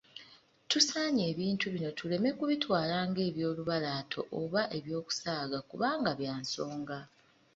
Tusaanye ebintu bino tuleme kubitwala ng'ebyolubalaato oba eby'okusaaga kubanga bya nsonga.